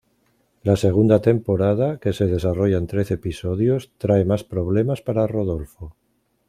La segunda temporada, que se desarrolla en trece episodios, trae más problemas para Rodolfo.